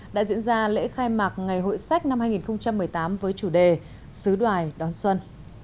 đã diễn ra lễ khai mạc ngày hội sách năm hai nghìn một mươi tám với chủ đề sứ đoài đón xuân